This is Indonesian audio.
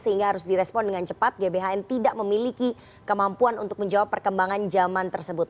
sehingga harus direspon dengan cepat gbhn tidak memiliki kemampuan untuk menjawab perkembangan zaman tersebut